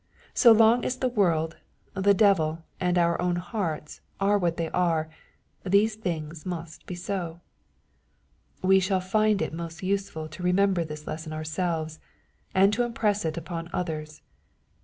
So long as the world, the devil, and our own hearts, are what they are, these things must be so. We shall find it most useful to remember this lesson ourselves, and to impress it upon others.